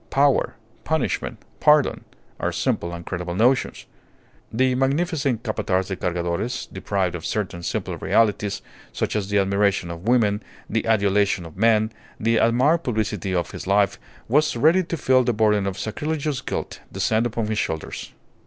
Power, punishment, pardon, are simple and credible notions. The magnificent Capataz de Cargadores, deprived of certain simple realities, such as the admiration of women, the adulation of men, the admired publicity of his life, was ready to feel the burden of sacrilegious guilt descend upon his shoulders.